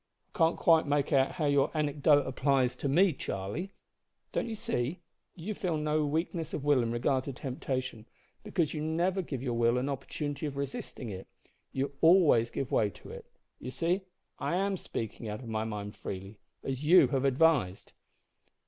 '" "I can't quite make out how your anecdote applies to me, Charlie." "Don't you see? You feel no weakness of will in regard to temptation because you never give your will an opportunity of resisting it. You always give way to it. You see, I am speaking out my mind freely as you have advised!"